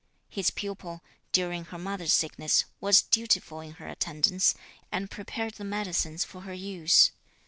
His pupil (during her mother's sickness) was dutiful in her attendance, and prepared the medicines for her use.